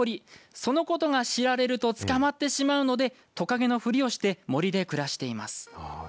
そのことが知られると捕まってしまうのでとかげのふりをして森で暮らしています。